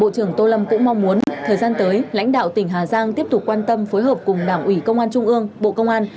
trưởng tô lâm cũng mong muốn thời gian tới lãnh đạo tỉnh hà giang tiếp tục quan tâm phối hợp cùng đảng ủy công an trung ương bộ công an